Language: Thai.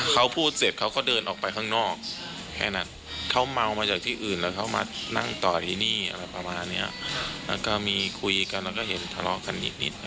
เขาพูดเสร็จเขาก็เดินออกไปข้างนอกแค่นั้นเขาเมามาจากที่อื่นแล้วเขามานั่งต่อที่นี่อะไรประมาณเนี้ยแล้วก็มีคุยกันแล้วก็เห็นทะเลาะกันนิด